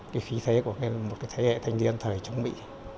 cái khí thế của một cái thế hệ thanh niên thời chống mỹ